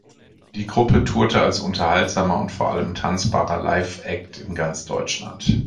Die Gruppe tourte als unterhaltsamer und vor allem tanzbarer Live-Act in ganz Deutschland.